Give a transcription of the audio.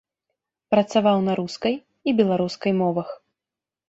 Працаваў на рускай і беларускай мовах.